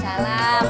teman emang mah